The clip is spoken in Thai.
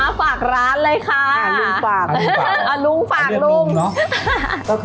มาฝากร้านเลยค่ะลุงปากอ๋อลุงฝากลุงนี่หลุงเนอะ